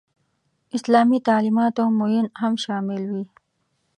اسلامي تعلیماتو معین هم شامل وي.